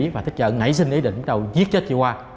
khoảng là ngày hai mươi sáu